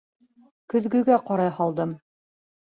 Көҙгөгә ҡарай һалдым.